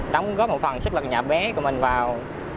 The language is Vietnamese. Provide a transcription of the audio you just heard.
đóng góp một phần sức lực nhỏ bé của mình vào